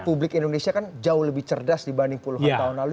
publik indonesia kan jauh lebih cerdas dibanding puluhan tahun lalu